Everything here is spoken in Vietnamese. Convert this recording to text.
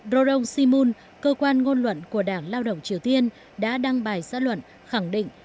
rorong simun cơ quan ngôn luận của đảng lao động triều tiên đã đăng bài giá luận khẳng định